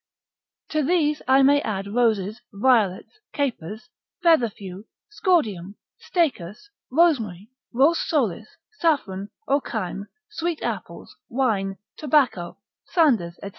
To these I may add roses, violets, capers, featherfew, scordium, staechas, rosemary, ros solis, saffron, ochyme, sweet apples, wine, tobacco, sanders, &c.